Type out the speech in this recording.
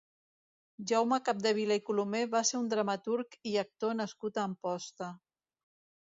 Jaume Capdevila i Colomer va ser un dramaturg i actor nascut a Amposta.